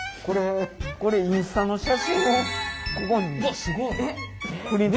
これインスタの写真をここにプリント。え？